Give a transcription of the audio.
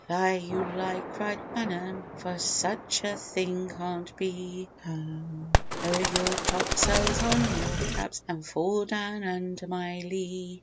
"You lie, you lie," cried Manum, "For such a thing can't be; Come lower your top sails on your caps And fall down under my lee."